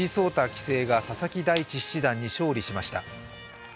棋聖が佐々木大地七段に勝利しました。